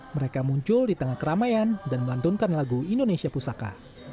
mereka muncul di tengah keramaian dan melantunkan lagu indonesia pusaka